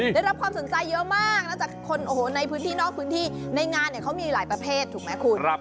ได้รับความสนใจเยอะมากนะจากคนโอ้โหในพื้นที่นอกพื้นที่ในงานเนี่ยเขามีหลายประเภทถูกไหมคุณ